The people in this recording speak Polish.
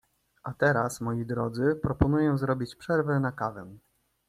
a teraz moi Drodzy, proponuję zrobić przerwę na kawę!